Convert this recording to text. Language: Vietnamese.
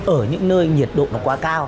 ở những nơi nhiệt độ quá cao